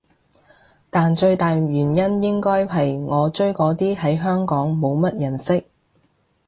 但最大原因應該係我追嗰啲喺香港冇乜人識